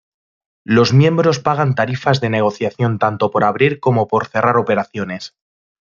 Los miembros pagan tarifas de negociación tanto por abrir como por cerrar operaciones.